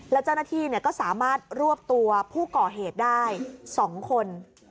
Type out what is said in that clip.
แล้วเจ้าหน้าที่ก็สามารถรวบตัวผู้ก่อเหตุได้๒คน